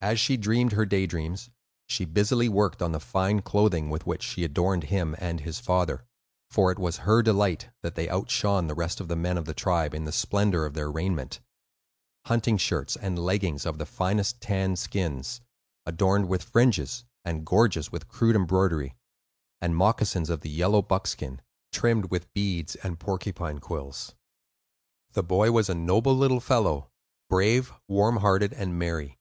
As she dreamed her daydreams, she busily worked on the fine clothing with which she adorned him and his father; for it was her delight that they outshone the rest of the men of the tribe in the splendor of their raiment,—hunting shirts and leggings of the finest tanned skins, adorned with fringes and gorgeous with crude embroidery, and moccasins of the yellow buckskin, trimmed with beads and porcupine quills. The boy was a noble little fellow; brave, warm hearted, and merry.